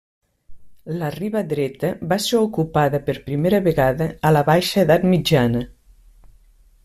La Riba Dreta va ser ocupada per primera vegada a la baixa edat mitjana.